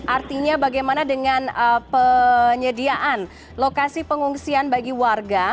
artinya bagaimana dengan penyediaan lokasi pengungsian bagi warga